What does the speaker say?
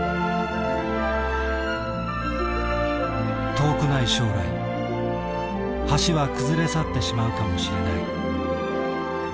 遠くない将来橋は崩れ去ってしまうかもしれない。